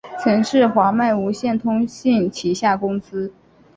曾是华脉无线通信旗下公司。